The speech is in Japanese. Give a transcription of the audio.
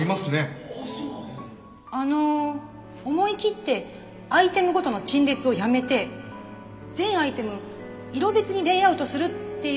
あの思い切ってアイテムごとの陳列をやめて全アイテム色別にレイアウトするっていうのはどうでしょう？